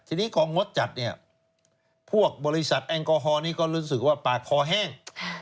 ทีนี้กองงดจัดเนี่ยพวกบริษัทแอลกอฮอลนี้ก็รู้สึกว่าปากคอแห้ง